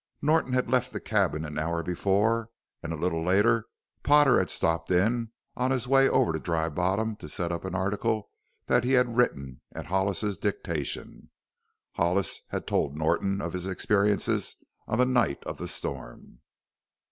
Norton had left the cabin an hour before and a little later Potter had stopped in on his way over to Dry Bottom to set up an article that he had written at Hollis's dictation. Hollis had told Norton of his experiences on the night of the storm.